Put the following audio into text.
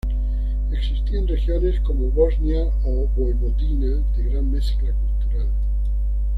Existían regiones, como Bosnia o Voivodina, de gran mezcla cultural.